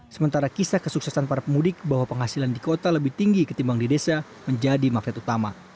sementara kisah kesuksesan para pemudik bahwa penghasilan di kota lebih tinggi ketimbang di desa menjadi magnet utama